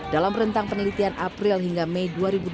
dalam rentang penelitian april hingga mei dua ribu dua puluh